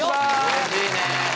うれしいね。